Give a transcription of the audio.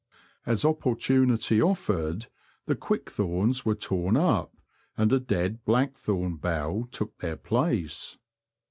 As opportunity oflfered the quick thorns were torn up, and a dead black thorn bough took their place.